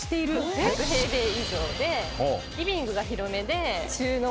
１００平米以上でリビングが広めで収納多め。